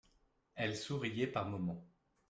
Elle souriait par moments.